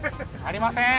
ありません！